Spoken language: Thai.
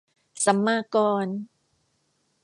สัมมากร